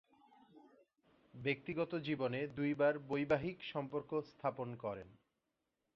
ব্যক্তিগত জীবনে দুইবার বৈবাহিক সম্পর্ক স্থাপন করেন।